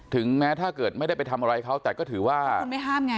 แม้ถ้าเกิดไม่ได้ไปทำอะไรเขาแต่ก็ถือว่าคุณไม่ห้ามไง